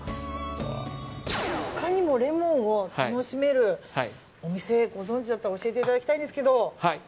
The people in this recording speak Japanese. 他にもレモンを楽しめるお店ご存じだったら教えていただきたいんですけど。